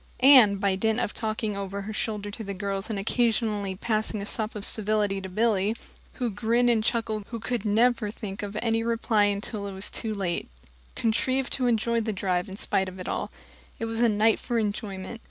Anne, by dint of talking over her shoulder to the girls and occasionally passing a sop of civility to Billy who grinned and chuckled and never could think of any reply until it was too late contrived to enjoy the drive in spite of all. It was a night for enjoyment.